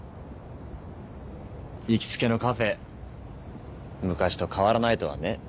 行きつけのカフェ昔と変わらないとはね。